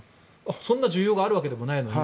そんな需要があるわけでもないのに。